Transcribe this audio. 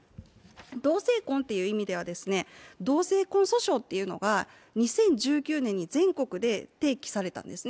同性婚という意味では、同性婚訴訟というのが２０１９年に全国で提起されたんですね。